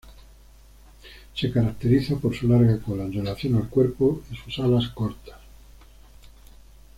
Se caracteriza por su larga cola en relación al cuerpo y sus alas cortas.